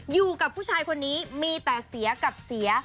อยู่กับผู้ชายคนนี้มีแต่เสียกับเสีย